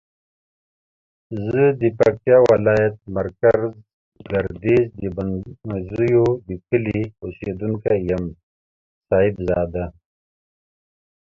زه د پکتیاولایت مرکز ګردیز د بنزیو دکلی اوسیدونکی یم صاحب زاده